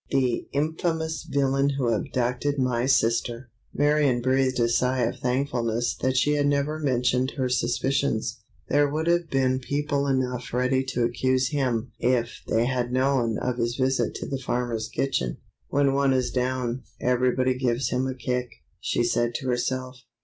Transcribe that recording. The infamous villain who abducted my sister!" Marion breathed a sigh of thankfulness that she had never mentioned her suspicions. There would have been people enough ready to accuse him if they had known of his visit to the farmer's kitchen. "When one is down, everybody gives him a kick," she said to herself.